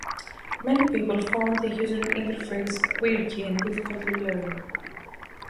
Many people found the user interface quirky and difficult to learn.